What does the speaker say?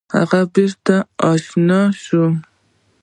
هغه به بیرته شنه شي؟